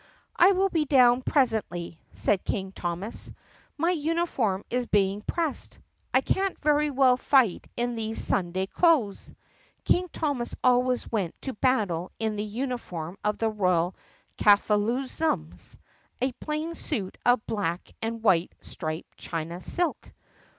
"I will be down presently," said King Thomas. "My uni form is being pressed. I can't very well fight in these Sunday clothes." (King Thomas always went to battle in the uni form of the Royal Kafoozalums — a plain suit of black and white striped China silk.)